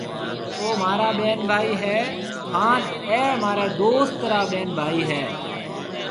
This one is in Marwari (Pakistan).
او مهارا ٻين ڀائِي هيَ هانَ اَي مهاريَ دوست را ٻين ڀائِي هيَ۔